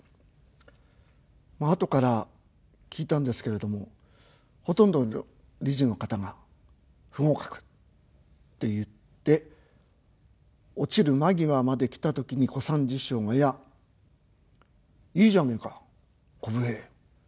後から聞いたんですけれどもほとんどの理事の方が不合格っていって落ちる間際まで来た時に小三治師匠が「いやいいじゃねえかこぶ平。